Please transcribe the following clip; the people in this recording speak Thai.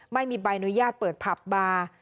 ไม่มีใบอนุญาตเปิดผับบาร์